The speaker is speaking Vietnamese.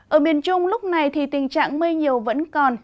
ở miền trung lúc này thì tình trạng mây nhiều vẫn còn